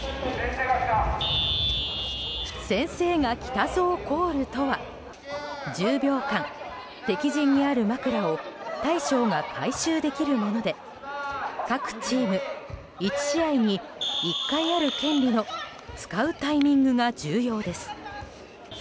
先生が来たぞォコールとは１０秒間敵陣にある枕を大将が回収できるもので各チーム１試合に１回ある権利の使うタイミングが重要です。